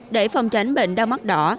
để phòng tránh bệnh đau mắt đỏ